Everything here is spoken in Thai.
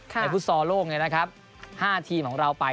ฟุตซอลโลก๕ทีมของเราไป